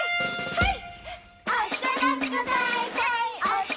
はい！